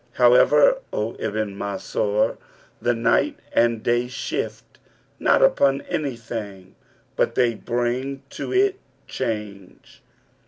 However, O Ibn Mansur, the night and day shift not upon anything but they bring to it change.'